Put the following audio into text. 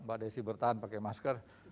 mbak desi bertahan pakai masker